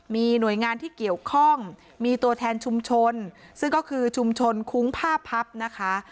มีหน่วยงานที่เกี่ยวข้องมีตัวแทนชุมชนซึ่งก็คือชุมชนคุ้งผ้าพับนะคะ